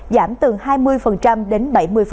giảm từ hai mươi đến bảy mươi